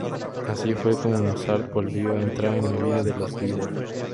Así fue como Mozart volvió a entrar en la vida de los Weber.